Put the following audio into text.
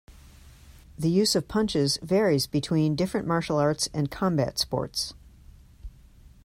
The use of punches varies between different martial arts and combat sports.